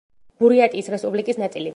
ბურიატიის რესპუბლიკის ნაწილი.